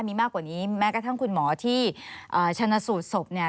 มีมากกว่านี้แม้กระทั่งคุณหมอที่ชนะสูตรศพเนี่ย